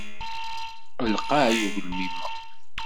Lqay ugelmim-a.